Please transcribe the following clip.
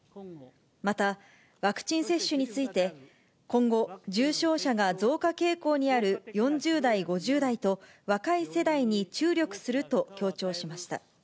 また、ワクチン接種について、今後、重症者が増加傾向にある４０代、５０代と若い世代に注力すると強調しました。